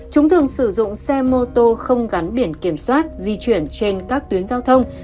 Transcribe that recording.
chúng thường sử dụng xe mô tô không gắn biển kiểm soát di chuyển trên các tuyến giao thông